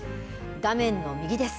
画面の右です。